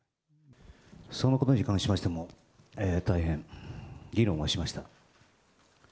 そのことに関しましても、大変議論はしました。